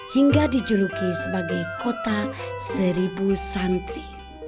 hingga dijuluki sebagai kota seribu santi